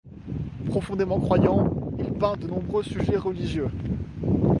Profondément croyant, il peint de nombreux sujets religieux.